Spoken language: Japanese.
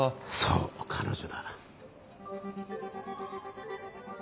そう彼女だ。